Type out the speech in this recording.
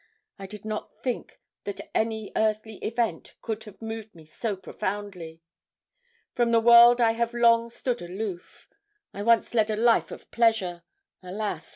I did not think that any earthly event could have moved me so profoundly. From the world I have long stood aloof. I once led a life of pleasure alas!